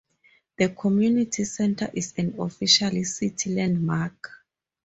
The community center is an official city landmark.